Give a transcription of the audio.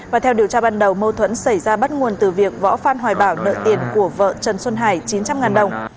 và theo điều tra ban đầu mâu thuẫn xảy ra bắt nguồn từ việc võ phan hoài bảo nợ tiền của vợ trần xuân hải chín trăm linh đồng